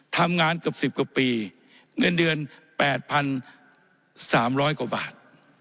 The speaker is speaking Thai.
ทำงานกับสิบกว่าปีเงินเดือนแปดพันสามร้อยกว่าบาท